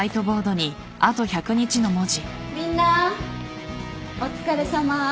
みんなお疲れさま。